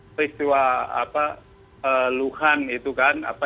peristiwa apa luhan itu kan apa